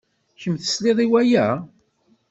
Kemm tesliḍ i waya?